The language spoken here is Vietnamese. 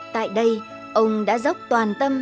tại đây ông đã dốc toàn tâm